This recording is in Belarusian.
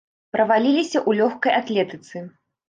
Праваліліся ў лёгкай атлетыцы.